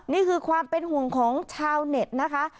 นี่คือความเป็นห่วงของชาวเน็ตนะคะ